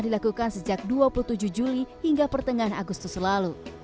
dilakukan sejak dua puluh tujuh juli hingga pertengahan agustus lalu